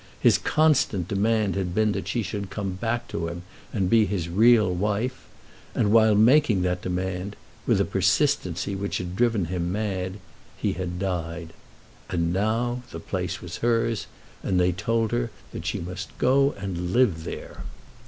His constant demand had been that she should come back to him, and be his real wife. And while making that demand, with a persistency which had driven him mad, he had died; and now the place was hers, and they told her that she must go and live there!